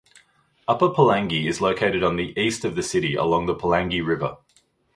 Upper Pulangi is located on the east of the city along the Pulangi River.